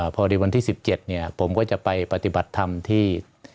พอดีวันที่๑๗ผมก็จะไปปฏิบัติธรรมที่